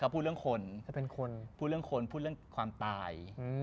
พูดเรื่องคนความตาย